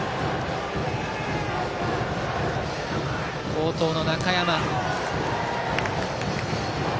好投の中山。